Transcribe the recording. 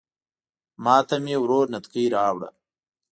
ماته مې ورور نتکۍ راوړه